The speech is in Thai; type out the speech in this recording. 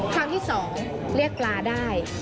ครั้งที่๒เรียกปลาได้